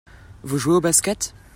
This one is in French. Vous jouez au Basket ?